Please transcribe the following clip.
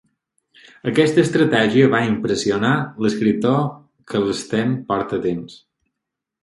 Aquesta estratègia va impressionar l'escriptor que l'Sten porta dins.